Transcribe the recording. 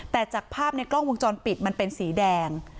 แต่จากภาพในกล้องวงจรปิดมันเป็นสีแดง